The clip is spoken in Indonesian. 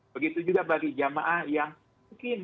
begitu juga bagi jamaah yang mungkin